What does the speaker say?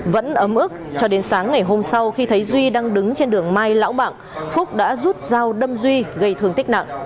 vẫn ấm ức cho đến sáng ngày hôm sau khi thấy duy đang đứng trên đường mai lão bảng phúc đã rút dao đâm duy gây thương tích nặng